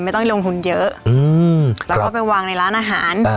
ไม่ต้องลงทุนเยอะแล้วก็ไปวางในร้านอาหาร